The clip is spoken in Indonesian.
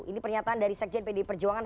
ini pernyataan dari sekjen pdi perjuangan